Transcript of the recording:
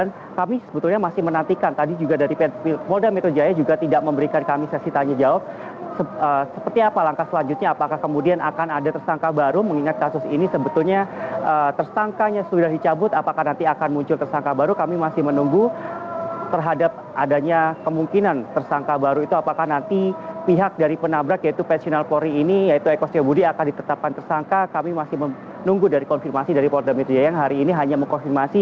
dan kami sebetulnya masih menantikan tadi juga dari polda metro jaya juga tidak memberikan kami sesi tanya jawab seperti apa langkah selanjutnya apakah kemudian akan ada tersangka baru mengingat kasus ini sebetulnya tersangkanya sudah dicabut apakah nanti akan muncul tersangka baru kami masih menunggu terhadap adanya kemungkinan tersangka baru itu apakah nanti pihak dari penabrak yaitu pensional polri ini yaitu eko sya budi akan ditetapkan tersangka kami masih menunggu dari konfirmasi dari polda metro jaya yang hari ini hanya mengkonsumsi